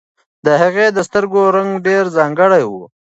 د هغې د سترګو رنګ ډېر ځانګړی و.